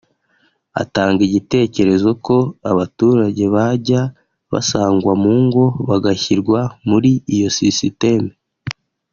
Atanga igitekerezo ko abaturage bajya basangwa mu ngo bagashyirwa muri iyo sisiteme